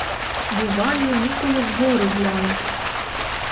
Буває ніколи вгору глянуть.